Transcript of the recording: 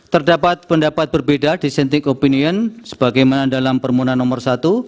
terdapat pendapat berbeda dissenting opinion sebagaimana dalam permohonan nomor satu